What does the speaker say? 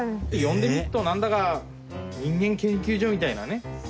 読んでみるとなんだか「人間研究所」みたいなね。